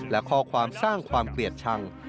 และข้อความสร้างความเกลียดชัง